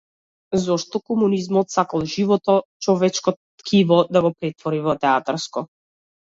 Зошто комунизмот сакал живото, човечко ткиво да го претвори во театарско?